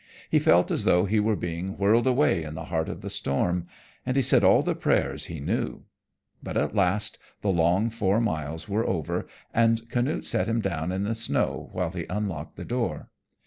He felt as though he were being whirled away in the heart of the storm, and he said all the prayers he knew. But at last the long four miles were over, and Canute set him down in the snow while he unlocked the door.